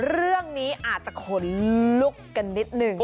เรื่องนี้อาจจะขนลุกกันนิดหนึ่ง